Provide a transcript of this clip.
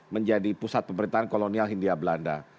menjadi pusat pemerintahan kolonial hindia belanda